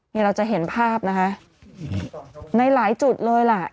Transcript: นี่เราจะเห็นภาพนะคะในหลายจุดเลยล่ะ